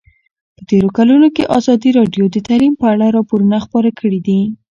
په تېرو کلونو کې ازادي راډیو د تعلیم په اړه راپورونه خپاره کړي دي.